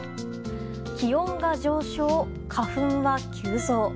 気温が上昇、花粉は急増。